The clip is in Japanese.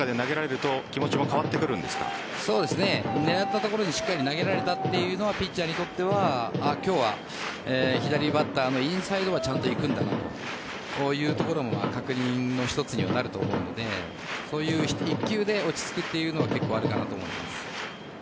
狙った所に投げられたというのはピッチャーにとっては今日は左バッターのインサイドはちゃんと行くんだなとかいうところも確認の一つになると思うので１球で落ち着くというの結構あるなと思います。